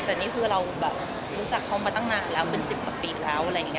แต่นี่คือเรารู้จักเขามาตั้งนานแล้วเป็น๑๐กว่าปีแล้ว